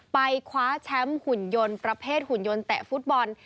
คว้าแชมป์หุ่นยนต์ประเภทหุ่นยนต์เตะฟุตบอล